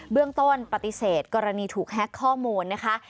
เรื่องต้นปฏิเสธกรณีถูกแฮ็กข้อมูลนะคะ